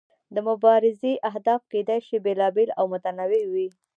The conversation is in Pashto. د مبارزې اهداف کیدای شي بیلابیل او متنوع وي.